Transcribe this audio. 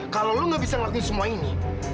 kalau lo gak bisa ngelakuin semua ini